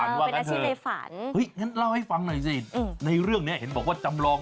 อะไรอย่างนี้คือมันเยอะมากรู้จริง